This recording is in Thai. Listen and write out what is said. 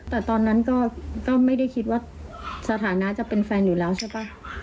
แต่ตอนนั้นก็ไม่ได้คิดว่าสถานะจะเป็นแฟนอยู่แล้วใช่ป่ะ